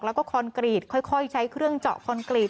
แล้วก็คอนกรีตค่อยใช้เครื่องเจาะคอนกรีต